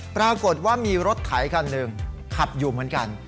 ปรากฏว่ามีรถไถคันหนึ่งขับอยู่เหมือนกัน